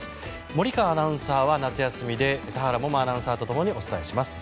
森川アナウンサーは夏休みで田原萌々アナウンサーとともにお伝えします。